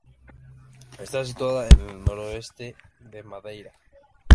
Esta Situada en el Noroeste de Madeira.